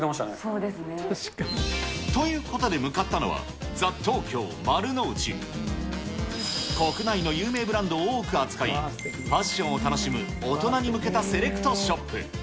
そうですね。ということで、向かったのは、ＴＨＥＴＯＫＹＯ丸の内、国内の有名ブランドを多く扱い、ファッションを楽しむ大人に向けたセレクトショップ。